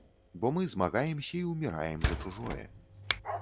Бо мы змагаемся і ўміраем за чужое.